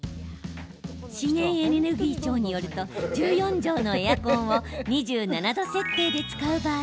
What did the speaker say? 資源エネルギー庁によると１４畳用のエアコンを２７度設定で使う場合